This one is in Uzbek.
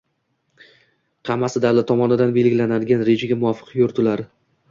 — hammasi davlat tomonidan belgilanadigan rejaga muvofiq yuritilar